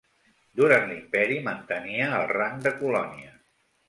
Durant l'imperi mantenia el rang de colònia.